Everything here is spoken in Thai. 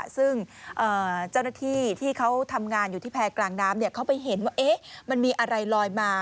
ซึ่งเจ้าหน้าที่ที่เขาทำงานอยู่ที่แพร่กลางน้ำเขาไปเห็นว่ามันมีอะไรลอยมา